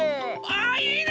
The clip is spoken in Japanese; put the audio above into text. あいいな！